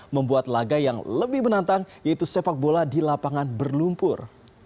membuat laga yang lebih menantang yaitu sepak bola di lapangan berlumpur